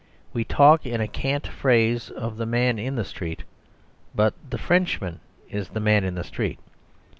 We talk in a cant phrase of the Man in the Street, but the Frenchman is the man in the street.